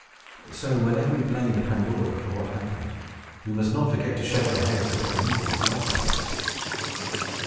So, whenever we blame Pandora for what happened, we must not forget to shake our heads at Epimetheus likewise.